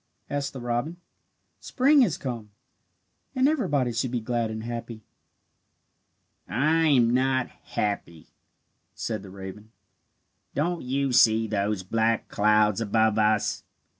asked the robin. "Spring has come, and everybody should be glad and happy." "I am not happy," said the raven. "Don't you see those black clouds above us?